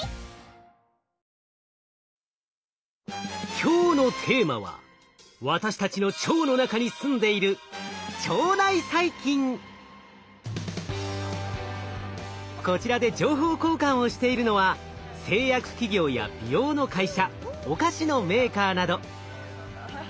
今日のテーマは私たちの腸の中に住んでいるこちらで情報交換をしているのは製薬企業や美容の会社お菓子のメーカーなど。